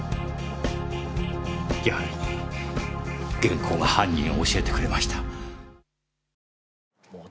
やはり原稿が犯人を教えてくれました。